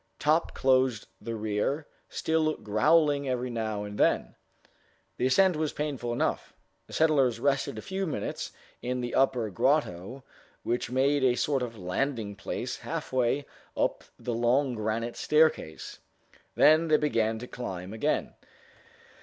Top closed the rear, still growling every now and then. The ascent was painful enough. The settlers rested a few minutes in the upper grotto, which made a sort of landing place halfway up the long granite staircase. Then they began to climb again.